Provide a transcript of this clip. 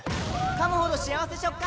かむほど幸せ食感！